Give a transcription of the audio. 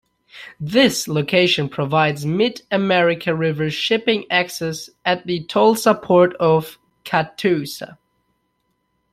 This location provides mid-America river shipping access at the Tulsa Port of Catoosa.